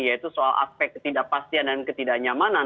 yaitu soal aspek ketidakpastian dan ketidaknyamanan